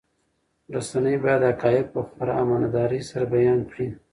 رسنۍ باید حقایق په خورا امانتدارۍ سره بیان کړي.